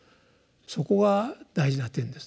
そこが大事な点ですね。